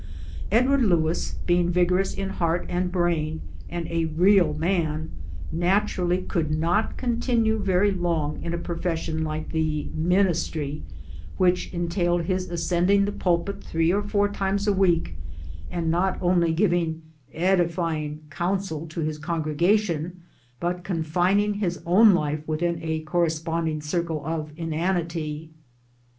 Edward Lewis, being vigorous in heart and brain, and a real man, naturally could not continue very long in a profession like " the ministry " which entailed his ascending the pulpit three or four times a week and not only giving ' edifying ' counsel to his congregation but confining his own life within a corresponding circle of inanity.